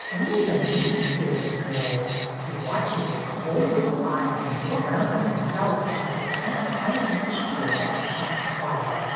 Only the mean spirited girls, who watch you with cold little eyes and go around by them selves because they can't find an equal, kept quiet.